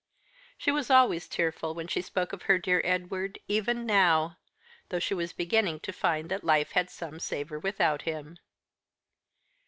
She was always tearful when she spoke of her dear Edward, even now; though she was beginning to find that life had some savour without him.